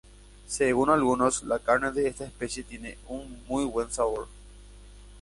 Según algunos, la carne de esta especie tiene un muy buen sabor.